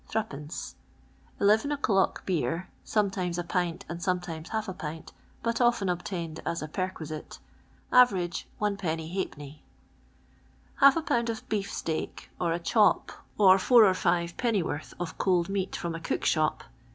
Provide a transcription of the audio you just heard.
03 Eleven o'clock beer, sometimes a pint and sometimes half a pint, but often obtained as a perquisite .. (average) 0 1^ ^ lb. of beef steak, or a chop, or four or five pennyworth of cold meat from a cook shop